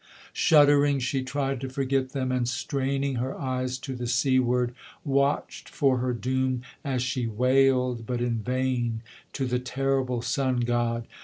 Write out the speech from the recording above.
Shuddering, she tried to forget them; and straining her eyes to the seaward, Watched for her doom, as she wailed, but in vain, to the terrible Sun god.